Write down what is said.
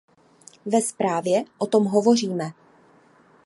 Ve zprávě o tom hovoříme.